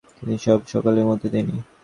তিনিই সব এবং সকলের মধ্যে তিনি।